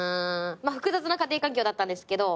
複雑な家庭環境だったんですけど。